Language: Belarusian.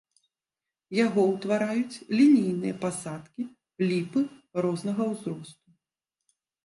Яго ўтвараюць лінейныя пасадкі ліпы рознага ўзросту.